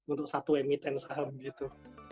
untuk satu emiten saham gitu